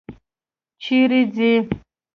چیرې څې؟